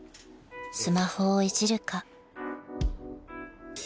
スマホをいじるか］